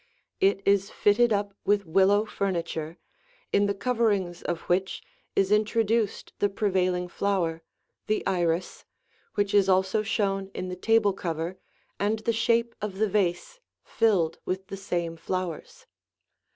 It is fitted up with willow furniture, in the coverings of which is introduced the prevailing flower, the iris, which is also shown in the table cover and the shape of the vase filled with the same flowers.